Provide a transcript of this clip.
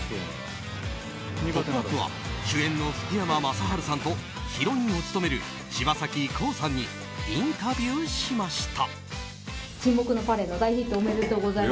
「ポップＵＰ！」は主演の福山雅治さんとヒロインを務める柴咲コウさんにインタビューしました。